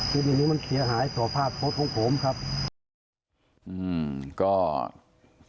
ทีนี้มันเขียนหายสภาพโทษของผมครับ